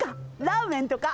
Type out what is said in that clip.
ラーメンとか。